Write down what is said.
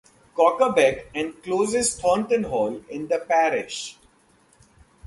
Cocker Beck encloses Thornton Hall in the parish.